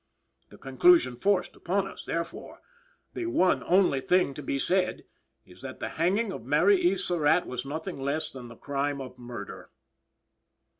The conclusion forced upon us, therefore, the one only thing to be said is, that the hanging of Mary E. Surratt was nothing less than the crime of murder.